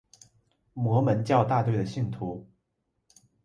摩门教大队的信徒。